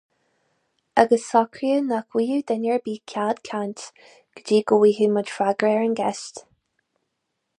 Agus socraíodh nach bhfaigheadh duine ar bith cead caint go dtí go bhfaigheadh muid freagra ar an gceist.